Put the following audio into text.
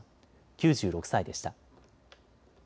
９６歳でした。